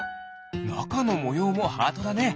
なかのもようもハートだね！